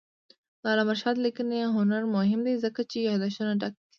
د علامه رشاد لیکنی هنر مهم دی ځکه چې یادښتونه ډک دي.